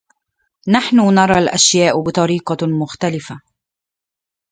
نحن نرى الأشاء بطريقة مختلفة.